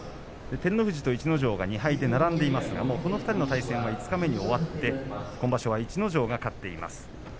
照ノ富士と逸ノ城が２敗で並んでいますがこの２人の対戦は五日目に終わって今場所は逸ノ城が勝っています。